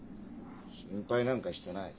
心配なんかしてない。